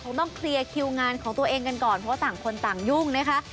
คงต้องเคลียร์คิวงานของตัวเองกันก่อนเพราะว่าต่างคนต่างยุ่งนะคะ